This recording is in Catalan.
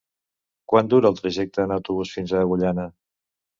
Quant dura el trajecte en autobús fins a Agullana?